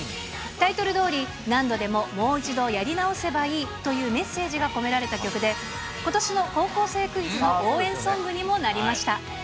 タイトルどおり、何度でも、もう一度やり直せばいいというメッセージが込められた曲で、ことしの高校生クイズの応援ソングにもなりました。